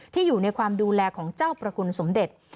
อยู่ในความดูแลของเจ้าประกุลสมเด็จ